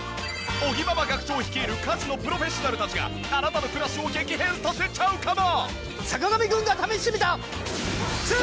尾木ママ学長率いる家事のプロフェッショナルたちがあなたの暮らしを激変させちゃうかも！？